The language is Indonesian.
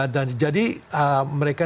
dan jadi mereka negara negara pemilik vito